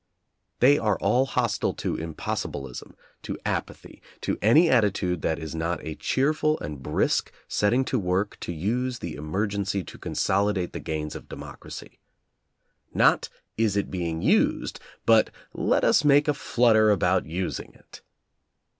They are all hostile to impossibilism, to apathy, to any attitude that is not a cheerful and brisk setting to work to use the emergency to consolidate the gains of democracy. Not, Is it being used? but, Let us make a flutter about using it!